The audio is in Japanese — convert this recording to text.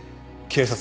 警察？